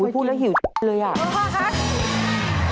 พูดแล้วหิวจ๊ะเลยอ่ะโทษค่ะ